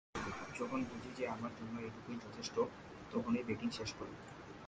যখন বুঝি যে আমার জন্য এইটুকুই যথেষ্ট, তখনই ব্যাটিং শেষ করি।